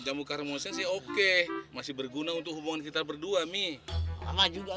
jamu kharmosen sih oke masih berguna untuk hubungan kita berdua mi lama juga